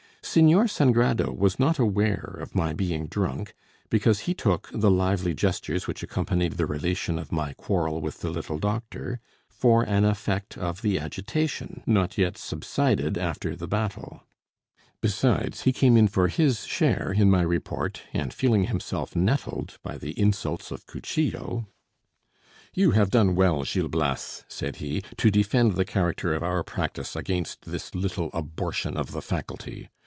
Señor Sangrado was not aware of my being drunk, because he took the lively gestures which accompanied the relation of my quarrel with the little doctor for an effect of the agitation not yet subsided after the battle. Besides, he came in for his share in my report; and, feeling himself nettled by the insults of Cuchillo "You have done well, Gil Blas," said he, "to defend the character of our practise against this little abortion of the faculty.